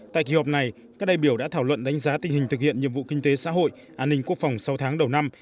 tại kỳ họp này các đại biểu đã thảo luận đánh giá tình hình thực hiện nhiệm vụ kinh tế xã hội an ninh quốc phòng sáu tháng đầu năm